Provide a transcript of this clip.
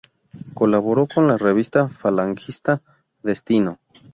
Colaboró con la revista falangista "Destino".